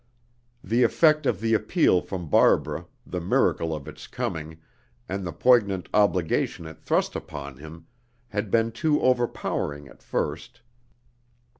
The effect of the appeal from Barbara, the miracle of its coming, and the poignant obligation it thrust upon him had been too overpowering at first.